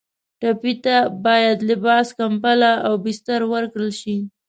ټپي ته باید لباس، کمپله او بستر ورکړل شي.